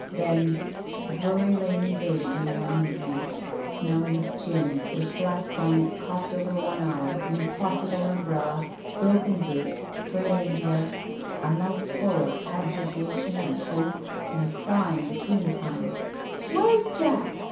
" Then — Drury Lane invaded me one evening, smelling of gin, with black bonnet cocked over one eye, an impossible umbrella, broken boots, straying hair, a mouth full of objurgation, and oaths, and crying between times, ' Where's Jack